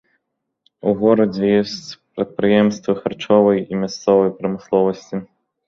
У горадзе ёсць прадпрыемствы харчовай і мясцовай прамысловасці.